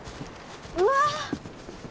うわ。